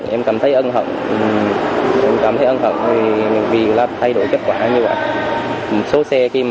em cảm thấy ân hận vì thay đổi kết quả như vậy